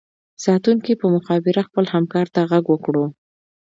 ساتونکي په مخابره خپل همکار ته غږ وکړو